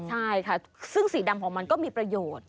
ใช่ค่ะซึ่งสีดำของมันก็มีประโยชน์